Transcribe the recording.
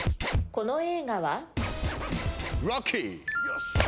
この映画は？